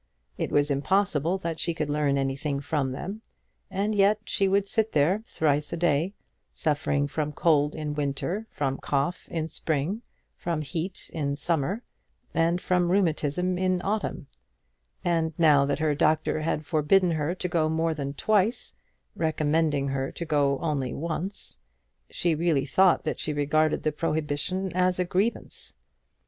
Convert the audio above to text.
It was impossible that she could learn anything from them; and yet she would sit there thrice a day, suffering from cold in winter, from cough in spring, from heat in summer, and from rheumatism in autumn; and now that her doctor had forbidden her to go more than twice, recommending her to go only once, she really thought that she regarded the prohibition as a grievance.